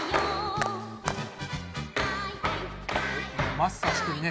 マスターしてるね。